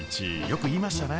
よく言いましたね。